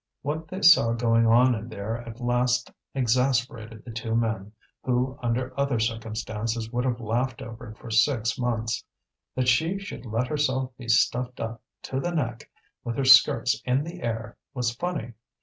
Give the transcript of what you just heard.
What they saw going on in there at last exasperated the two men, who under other circumstances would have laughed over it for six months. That she should let herself be stuffed up to the neck, with her skirts in the air, was funny.